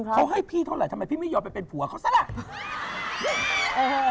เขาให้พี่เท่าไหร่ทำไมพี่ไม่ยอมไปเป็นผัวเขาซะล่ะ